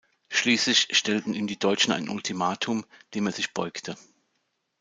Schließlich stellten ihm die Deutschen ein Ultimatum, dem er sich beugte.